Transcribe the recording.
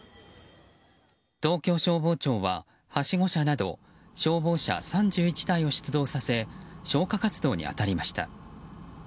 東京消防庁ははしご車など消防車３１台を出動させ消火活動に当たりました。